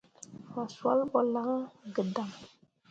Fah swal ɓo lan gǝdaŋ.